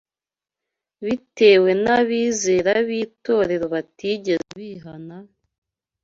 bitewe n’abizera b’itorero batigeze bihana,